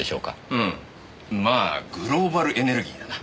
うんまあグローバルエネルギーだな。